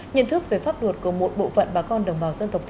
nhận thức về pháp luật của một bộ phận bà con đồng bào dân tộc tây nam